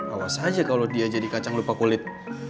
awas aja kalau dia jadi kacang lupa kulit